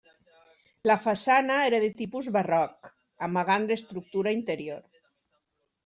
La façana era de tipus barroc, amagant l'estructura interior.